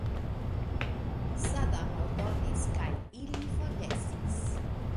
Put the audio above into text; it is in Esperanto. Sadam ordonis, kaj ili forgesis.